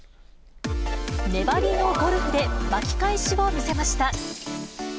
粘りのゴルフで巻き返しを見せました。